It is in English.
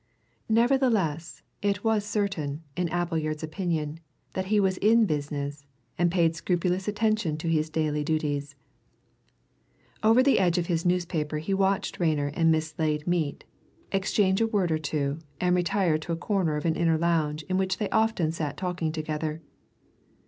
Nevertheless, it was certain, in Appleyard's opinion, that he was in business, and paid scrupulous attention to his daily duties. Over the edge of his newspaper he watched Rayner and Miss Slade meet, exchange a word or two, and retire to a corner of an inner lounge in which they often sat talking together.